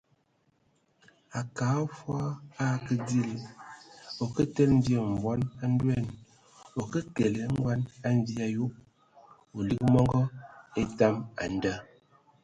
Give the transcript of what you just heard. Akə fɔɔ o akə dili,o kə tele mvie mbɔn a ndoan, o ke kele ngoan a mvie a yob, o lig mɔngɔ etam a nda !